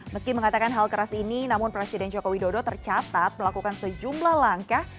meski mengatakan hal keras ini namun presiden joko widodo tercatat melakukan sejumlah langkah